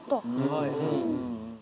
はい。